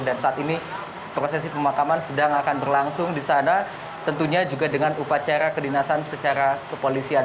dan saat ini proses pemakaman sedang akan berlangsung di sana tentunya juga dengan upacara kedinasan secara kepolisian